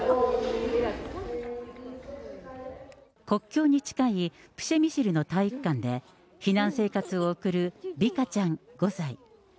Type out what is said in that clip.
国境に近いプシェミシルの体育館で、避難生活を送るビカちゃん５歳。